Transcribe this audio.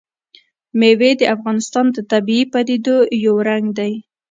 مېوې د افغانستان د طبیعي پدیدو یو رنګ دی.